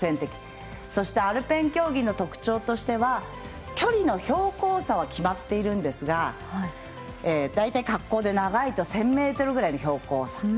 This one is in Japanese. そして、アルペン競技の特徴としては距離の標高差は決まっていますが大体、滑降で長いと１０００ｍぐらいの標高。